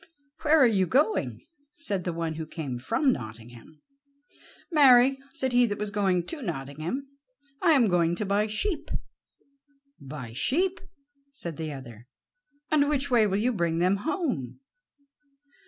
"Where are you going?" said the one who came from Nottingham. "Marry," said he that was going to Nottingham, "I am going to buy sheep." "Buy sheep?" said the other, "and which way will you bring them home?"